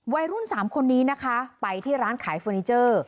วัยรุ่นสามคนนี้นะคะไปที่ร้านขายเฟอร์นิเจอร์